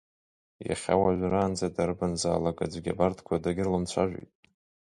Иахьа уажәраанӡа дарбанзаалак аӡәгьы абарҭқәа дагьрыламцәажәеит.